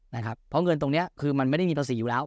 นะครับเพราะเงินตรงนี้คือมันไม่ได้มีภาษีอยู่แล้ว